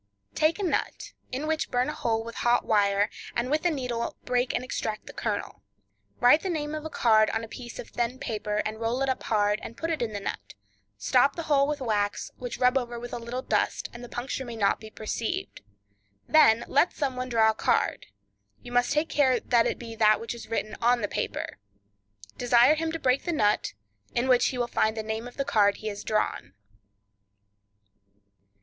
—Take a nut, in which burn a hole with a hot wire, and with a needle break and extract the kernel. Write the name of a card on a piece of thin paper, and roll it up hard, and put it in the nut; stop the hole with wax, which rub over with a little dust, that the puncture may not be perceived, then let some one draw a card; you must take care it be that which is written on the paper; desire him to break the nut, in which he will find the name of the card he has drawn.